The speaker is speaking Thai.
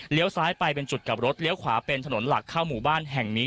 ซ้ายไปเป็นจุดกลับรถเลี้ยวขวาเป็นถนนหลักเข้าหมู่บ้านแห่งนี้